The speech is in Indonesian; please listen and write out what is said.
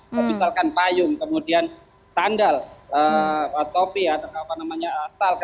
atau misalkan payung kemudian sandal topi atau apa namanya asal